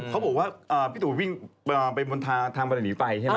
เขาบอกว่าพี่ตูวิ่งไปทางแบบนี้ไฟ